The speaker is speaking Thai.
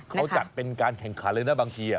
เขาจัดเป็นการแข่งขันเลยนะบางที